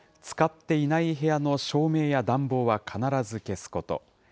使っていない部屋の照明や暖房は必ず消すこと。